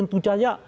itu mau saya